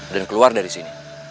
dan keluar dari sini